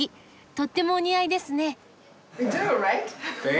とってもお似合いですね。